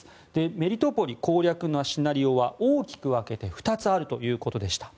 メリトポリ攻略のシナリオは大きく分けて２つあるということでした。